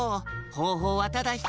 ほうほうはただひとつ。